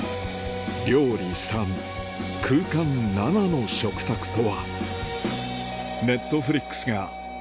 料理３空間７の食卓とは？